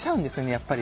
やっぱり。